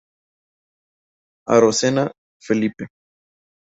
Arocena, Felipe.